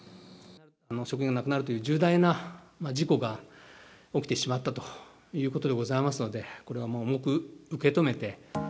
職員が亡くなるという重大な事故が起きてしまったということでございますので、これはもう重く受け止めて。